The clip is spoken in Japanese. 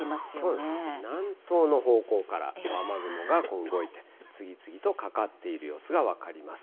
そうです、南東の方向から雨雲が動いて、次々とかかっている様子が分かります。